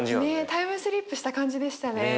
タイムスリップした感じでしたね。